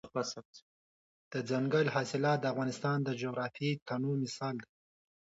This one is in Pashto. دځنګل حاصلات د افغانستان د جغرافیوي تنوع مثال دی.